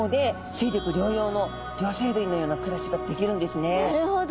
なるほど。